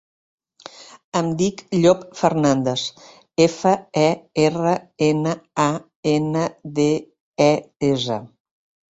Em dic Llop Fernandes: efa, e, erra, ena, a, ena, de, e, essa.